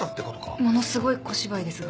ものすごい小芝居ですが。